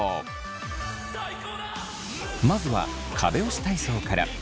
まずは壁押し体操から。